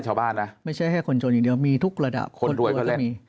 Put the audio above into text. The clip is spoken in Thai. ชาวบ้านนะไม่ใช่แค่คนชนอย่างเดียวมีทุกระดับคนรวยก็เล่น